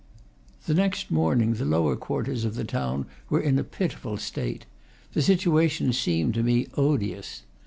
The next morning the lower quarters of the town were in a pitiful state; the situation seemed to me odious.